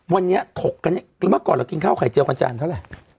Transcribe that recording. วันนี้ถกกันเนี่ยแล้วเมื่อก่อนเรากินข้าวไข่เจียวกันจานเท่าไหร่